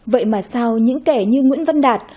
vậy mà sao những kẻ như nguyễn văn đạt